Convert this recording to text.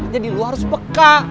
jadi lo harus peka